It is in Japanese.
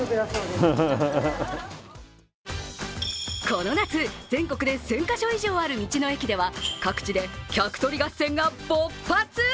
この夏、全国で１０００カ所以上ある道の駅では各地で客取り合戦が勃発。